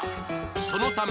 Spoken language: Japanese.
そのため